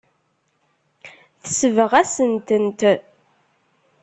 Tesbeɣ-asen-tent.